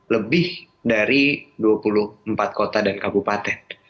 lebih dari dua puluh empat kota dan kabupaten